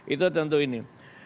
itu tentu ini